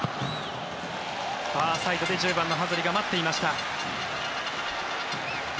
ファーサイドで１０番のハズリが待っていました。